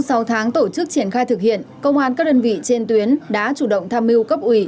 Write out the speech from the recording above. sau tháng tổ chức triển khai thực hiện công an các đơn vị trên tuyến đã chủ động tham mưu cấp ủy